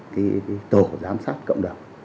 cái tổ giám sát cộng đồng